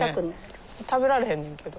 食べられへんねんけど。